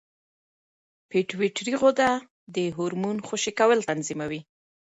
پېټویټري غده د هورمون خوشې کول تنظیموي.